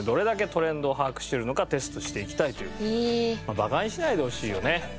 バカにしないでほしいよね。